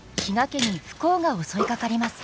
家に不幸が襲いかかります。